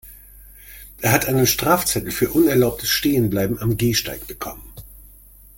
Er hat einen Strafzettel für unerlaubtes Stehenbleiben am Gehsteig bekommen.